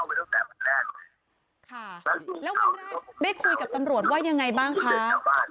แล้ววันแรกได้คุยกับตำรวจว่ายังไงบ้างคะ